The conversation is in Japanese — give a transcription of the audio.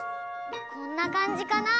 こんなかんじかな？